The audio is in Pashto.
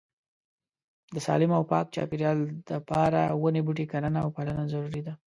د سالیم او پاک چاپيريال د پاره وني بوټي کرنه او پالنه ضروري ده